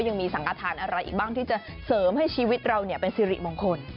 ยังมีสังกฐานอะไรอีกบ้างที่จะเสริมให้ชีวิตเราเป็นสิริมงคล